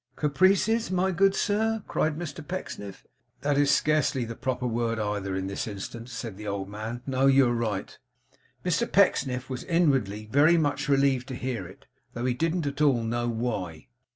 'Caprices, my good sir!' cried Mr Pecksniff 'That is scarcely the proper word either, in this instance,' said the old man. 'No. You are right.' Mr Pecksniff was inwardly very much relieved to hear it, though he didn't at all know why.